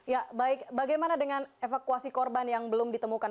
ya baik bagaimana dengan evakuasi korban yang belum ditemukan